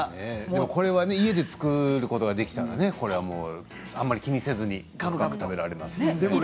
これは家で作ることができたらあまり気にせずにばくばく食べられますね。